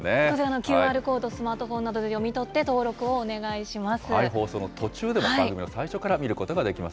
ＱＲコード、スマートフォンなどで読み取って登録をお願いします。